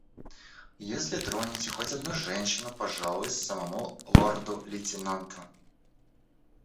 Если тронете хоть одну женщину, пожалуюсь самому лорду-лейтенанту.